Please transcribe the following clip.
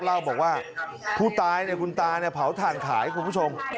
เล่าบอกว่าผู้ตายเนี่ยคุณตาเนี่ยเผาถ่านขายคุณผู้ชม